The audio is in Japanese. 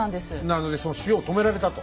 なのでその塩を止められたと。